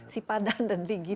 sipadan dan digital